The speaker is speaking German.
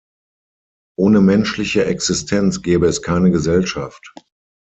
Ohne menschliche Existenz gäbe es keine Gesellschaft.